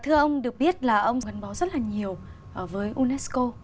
thưa ông được biết là ông gắn bó rất là nhiều với unesco